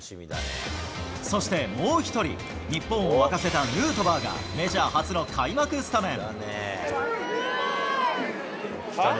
そしてもう一人、日本を沸かせたヌートバーが、メジャー初の開幕スタメン。